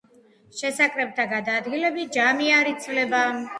შესაკრებთა გადაადგილებით ჯამი არ იცვლება.